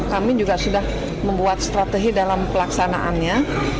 kami juga sudah membuat strategi dalam pelaksanaannya